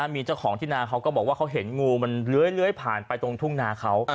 มีเจ้าของที่นาเขาก็บอกว่าเขาเห็นงูมันเลื้อยผ่านไปตรงทุ่งนาเขา